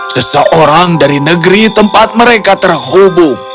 seseorang dari negeri tempat mereka terhubung